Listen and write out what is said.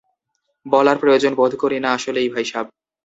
বলার প্রয়োজন বোধ করি না আসলেই ভাইসাব?